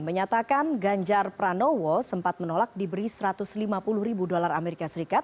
menyatakan ganjar pranowo sempat menolak diberi satu ratus lima puluh ribu dolar as